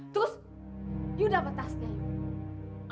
terus yuk dapat tasnya yuk